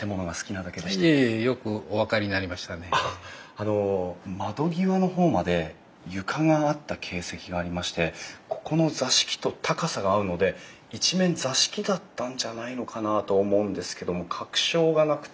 あの窓際の方まで床があった形跡がありましてここの座敷と高さが合うので一面座敷だったんじゃないのかなと思うんですけども確証がなくて。